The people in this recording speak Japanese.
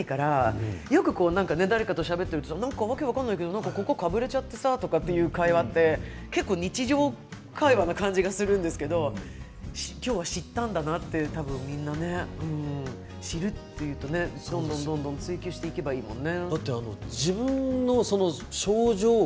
みんなこの言葉を知らないからよく誰かとしゃべっていて分からないけれどかぶれちゃってさあという日常会話の感じがするんですけれど今日は知ったんだなとたぶんみんなね知るというとねどんどん追求していけばいいもんね。